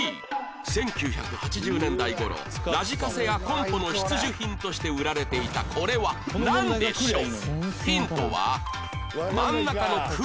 １９８０年代頃ラジカセやコンポの必需品として売られていたこれはなんでしょう？